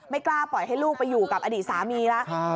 กล้าปล่อยให้ลูกไปอยู่กับอดีตสามีแล้ว